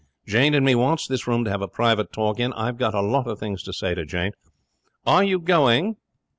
Jane and me wants this room to have a private talk in. I've got a lot of things to say to Jane. Are you going?"